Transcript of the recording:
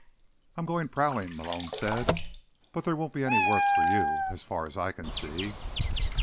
"I'm going prowling," Malone said. "But there won't be any work for you, as far as I can see."